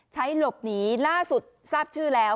ใช้หลบหนีล่าสุดทราบชื่อแล้ว